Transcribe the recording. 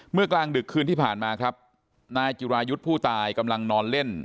กลางดึกคืนที่ผ่านมาครับนายจิรายุทธ์ผู้ตายกำลังนอนเล่น